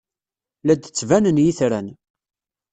La d-ttbanen yitran.